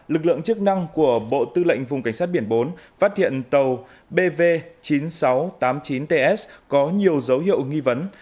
lực lượng chức năng của bộ tư lệnh vùng cảnh sát biển bốn phát hiện tàu bv chín nghìn sáu trăm tám mươi chín ts có nhiều dấu hiệu nghi vấn